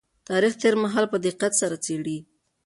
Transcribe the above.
تاريخ تېر مهال په دقت سره څېړي.